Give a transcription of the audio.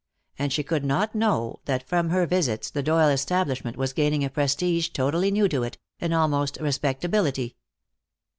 And she could not know that from her visits the Doyle establishment was gaining a prestige totally new to it, an almost respectability.